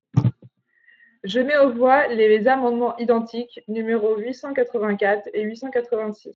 Je mets aux voix les amendements identiques numéros huit cent quatre-vingt-quatre et huit cent quatre-vingt-six.